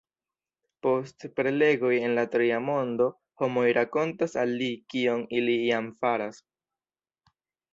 Post prelegoj en la Tria Mondo homoj rakontas al li kion ili jam faras!